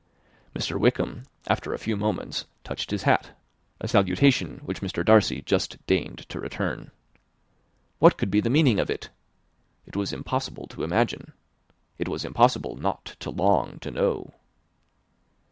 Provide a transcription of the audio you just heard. Mr. Wickham, after a few moments, touched his hat a salutation which Mr. Darcy just deigned to return. What could be the meaning of it? It was impossible to imagine; it was impossible not to long to know.